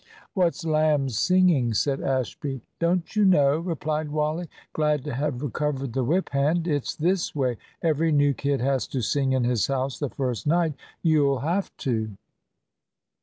"What's lamb's singing?" said Ashby. "Don't you know?" replied Wally, glad to have recovered the whip hand. "It's this way. Every new kid has to sing in his house the first night. You'll have to."